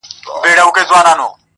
بل جهان بل به نظام وي چي پوهېږو؛